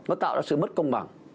nó tạo ra sự mất công bằng